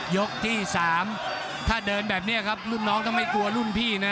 ยกที่๓ถ้าเดินแบบนี้ครับรุ่นน้องต้องไม่กลัวรุ่นพี่นะ